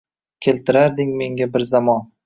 Keltirarding menga bir zamon